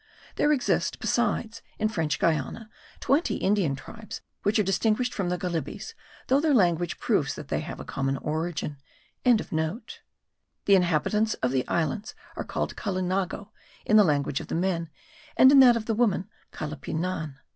There exist, besides, in French Guiana, twenty Indian tribes which are distinguished from the Galibis though their language proves that they have a common origin.) The inhabitants of the islands are called Calinago in the language of the men; and in that of the women, Callipinan.